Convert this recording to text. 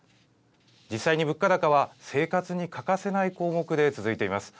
実際に物価高は生活に欠かせない項目で続いています。